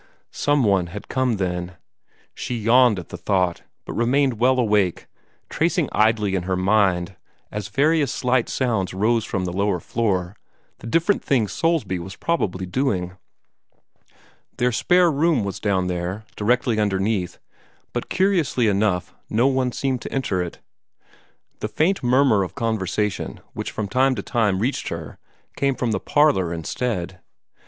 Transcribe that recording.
Somebody had come, then. She yawned at the thought, but remained well awake, tracing idly in her mind, as various slight sounds rose from the lower floor, the different things Soulsby was probably doing. Their spare room was down there, directly underneath, but curiously enough no one seemed to enter it. The faint murmur of conversation which from time to time reached her came from the parlor instead.